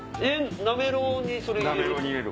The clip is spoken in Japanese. なめろうにそれ入れる？